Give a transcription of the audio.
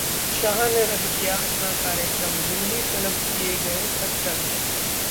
शाह ने रद्द किया अपना कार्यक्रम, दिल्ली तलब किए गए खट्टर